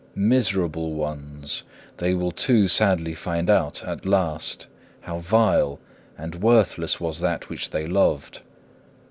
Miserable ones! they will too sadly find out at the last, how vile and worthless was that which they loved.